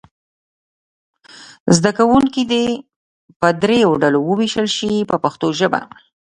زده کوونکي دې په دریو ډلو وویشل شي په پښتو ژبه.